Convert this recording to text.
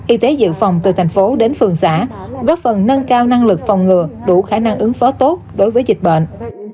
y tế dự phòng từ thành phố đến phường xã góp phần nâng cao năng lực phòng ngừa đủ khả năng ứng phó tốt đối với dịch bệnh